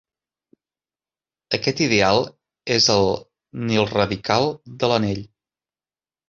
Aquest ideal és el nilradical de l'anell.